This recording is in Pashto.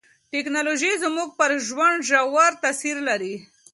ټکنالوژي زموږ پر ژوند ژور تاثیر لري.